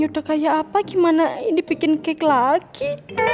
udah kayak apa gimana ini dibikin cake lagi